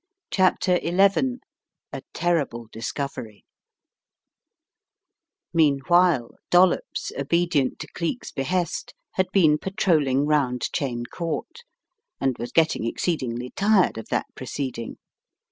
CHAPTER XI A TERRIBLE DISCOVERT MEANWHILE Dollops, obedient to Cleek's behest, had been patrolling round Cheyne Court, and was getting exceedingly tired of that proceeding.